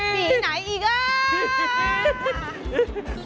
ผีไหนอีก